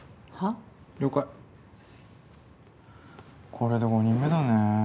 これで５人目だね。